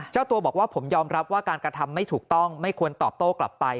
เจ้าตัวบอกว่าผมยอมรับว่าการกระทำไม่ถูกต้องไม่ควรตอบโต้กลับไป